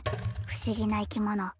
不思議な生き物